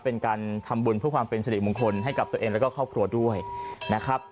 เป็นการทำบุญเพื่อความเป็นสิริมงคลให้กับตัวเองแล้วก็ครอบครัวด้วยนะครับ